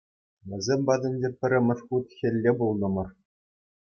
Вӗсем патӗнче пӗрремӗш хут хӗлле пултӑмӑр.